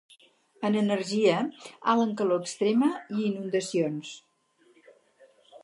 En energia, alt en calor extrema i inundacions.